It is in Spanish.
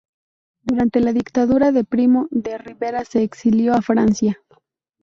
Durante la dictadura de Primo de Rivera se exilió a Francia.